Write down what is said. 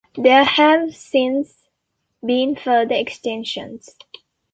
There have since been further extensions.